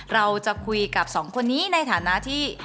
เราจะคุยกับสองคนนี้ในฐานะที่